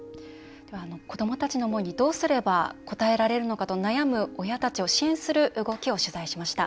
子どもたちの思いにどうやって応えればいいか悩む親たちを支援する動きを取材しました。